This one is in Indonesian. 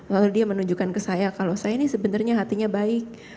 lalu dia menunjukkan ke saya kalau saya ini sebenarnya hatinya baik